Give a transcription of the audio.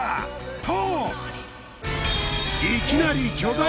と。